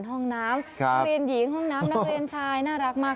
ห้องน้ำนักเรียนหญิงห้องน้ำนักเรียนชายน่ารักมาก